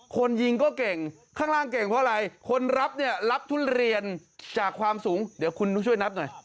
คนยิงก็เก่งข้างล่างเก่งเพราะอะไรคนรับเนี่ยรับทุเรียนจากความสูงเดี๋ยวคุณต้องช่วยนับหน่อย